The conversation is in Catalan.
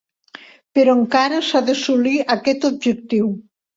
Però encara s'ha d'assolir aquest objectiu.